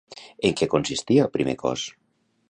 En què consistia el primer cos?